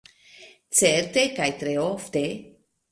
Certe, kaj tre ofte.